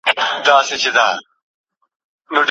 په قلم خط لیکل د معلوماتو د خپلولو غوره لاره ده.